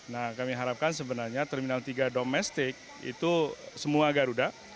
nah kami harapkan sebenarnya terminal tiga domestik itu semua garuda